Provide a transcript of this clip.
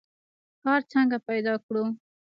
کار څنګه پیدا کړو؟